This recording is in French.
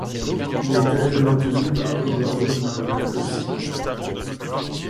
Il est actuellement tenu par Eduardo María Taussig.